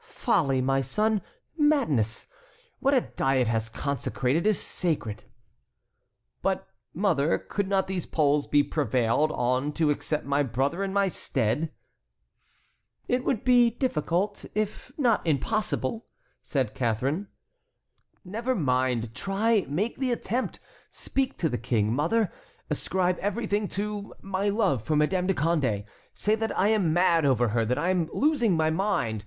"Folly, my son, madness! What a Diet has consecrated is sacred." "But, mother, could not these Poles be prevailed on to accept my brother in my stead?" "It would be difficult, if not impossible," said Catharine. "Never mind, try, make the attempt, speak to the King, mother. Ascribe everything to my love for Madame de Condé; say that I am mad over her, that I am losing my mind.